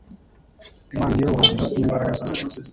Imana ni yo buhungiro n’imbaraga zacu